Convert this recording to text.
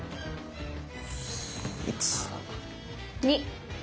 １！２！